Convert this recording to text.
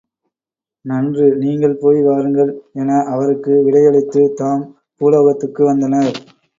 நன்று நீங்கள் போய் வாருங்கள் என அவருக்கு விடை யளித்துத் தாம் பூலோகத்துக்கு வந்தனர்.